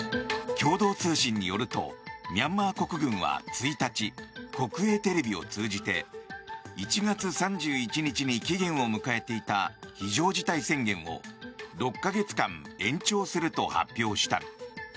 共同通信によるとミャンマー国軍は１日国営テレビを通じて１月３１日に期限を迎えていた非常事態宣言を６か月間延長すると発表した。